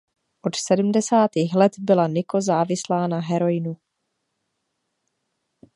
Od sedmdesátých let byla Nico závislá na heroinu.